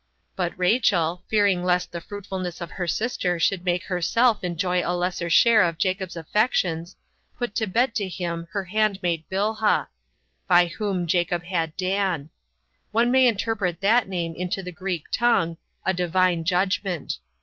But Rachel, fearing lest the fruitfulness of her sister should make herself enjoy a lesser share of Jacob's affections, put to bed to him her handmaid Bilha; by whom Jacob had Dan: one may interpret that name into the Greek tongue, a divine judgment.